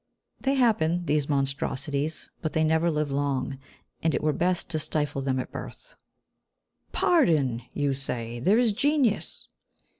They happen, these monstrosities, but they never live long, and it were best to stifle them at birth. Pardon! you say there is genius.